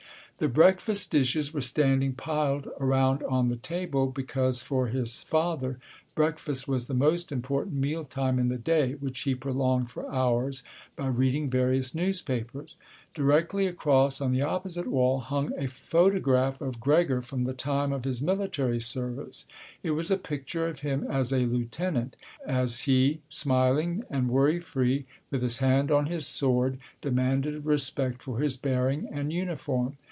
The breakfast dishes were standing piled around on the table, because for his father breakfast was the most important meal time in the day, which he prolonged for hours by reading various newspapers. Directly across on the opposite wall hung a photograph of Gregor from the time of his military service; it was a picture of him as a lieutenant, as he, smiling and worry free, with his hand on his sword, demanded respect for his bearing and uniform.